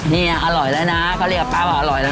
เนี่ยอร่อยแล้วนะก็เรียกป๊าว่าอร่อยแล้วนะ